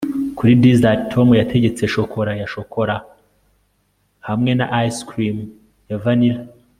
kuri dessert, tom yategetse shokora ya shokora hamwe na ice cream ya vanilla